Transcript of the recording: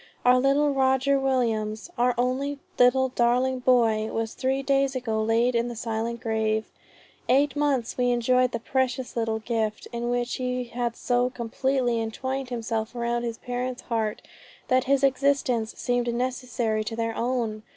Our little Roger Williams, our only little darling boy, was three days ago laid in the silent grave. Eight months we enjoyed the precious little gift, in which time he had so completely entwined himself around his parents' hearts that his existence seemed necessary to their own.